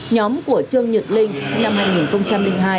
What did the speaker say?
nhóm của trương nhật linh sinh năm hai nghìn hai